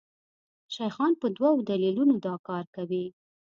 شیخان په دوو دلیلونو دا کار کوي.